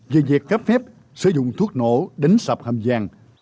về việc cấp phép sử dụng thuốc nổ đánh sập hầm giàng